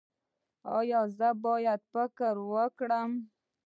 ایا زه باید فکري کار وکړم؟